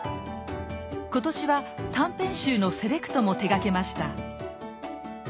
今年は短編集のセレクトも手がけました。